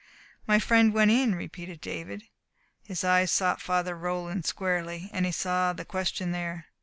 "My friend went in," repeated David. His eyes sought Father Roland's squarely, and he saw the question there.